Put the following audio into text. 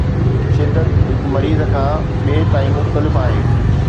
شدت هڪ مريض کان ٻئي تائين مختلف آهي